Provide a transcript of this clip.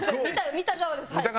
見た側ですはい。